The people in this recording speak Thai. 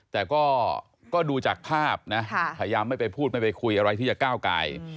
แต่ก็ดูจากภาพนะพยายามไม่ไปพูดไม่ไปคุยอะไรที่จะก้าวกาย